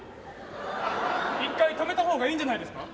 一回止めた方がいいんじゃないですか？